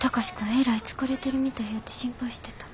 えらい疲れてるみたいやて心配してた。